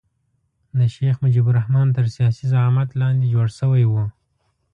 د شیخ مجیب الرحمن تر سیاسي زعامت لاندې جوړ شوی وو.